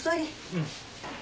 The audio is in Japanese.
うん。